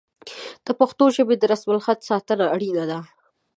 د پښتو ژبې د رسم الخط ساتنه اړینه ده.